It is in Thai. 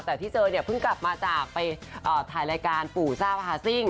แต่ที่เจอเนี่ยเพิ่งกลับมาจากไปถ่ายรายการปู่ทราบฮาซิ่ง